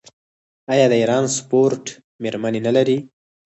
آیا د ایران سپورټ میرمنې نلري؟